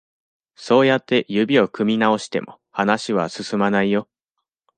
そうやって指を組み直しても、話は進まないよ。